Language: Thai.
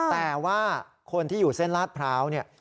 แต่ว่าคนที่อยู่เส้นลาดพร้าวเนี่ย